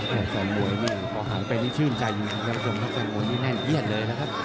พวกท่านมวยนี่พอห่างไปนี่ชื่นใจอยู่พวกท่านมวยนี่แน่นเยี่ยดเลยนะครับ